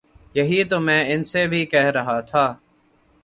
یہی تو میں ان سے بھی کہہ رہا تھا